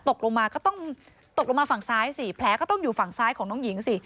ตกลงมาก็ต้องตกลงมาฝั่งซ้ายสิแผลก็ต้องอยู่ฝั่งซ้ายของน้องหญิงสิ